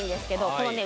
このね